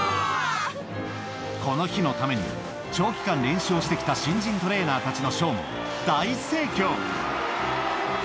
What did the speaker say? この日のために、長期間練習をしてきた新人トレーナーたちのショーも、大盛況。